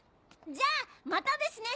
じゃあまたですね。